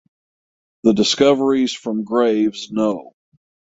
The discoveries from graves no.